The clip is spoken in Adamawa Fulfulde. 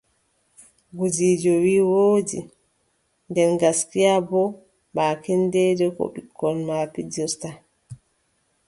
Gudiijo wii : woodi, nden gaskiya boo baakin deydey ko ɓikkon am pijiirta.